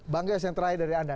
bang yos yang terakhir dari anda